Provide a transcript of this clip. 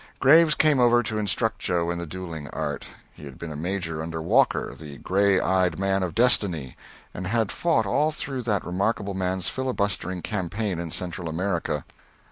Graves came over to instruct Joe in the duelling art. He had been a Major under Walker, the "gray eyed man of destiny," and had fought all through that remarkable man's filibustering campaign in Central America.